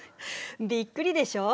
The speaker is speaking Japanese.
びっくりでしょ。